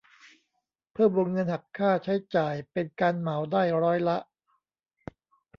เพิ่มวงเงินหักค่าใช้จ่ายเป็นการเหมาได้ร้อยละ